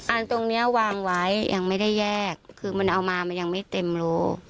อันตรงเนี้ยวางไว้ยังไม่ได้แยกคือมันเอามามันยังไม่เต็มโล